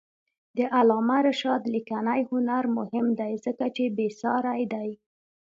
د علامه رشاد لیکنی هنر مهم دی ځکه چې بېسارې دی.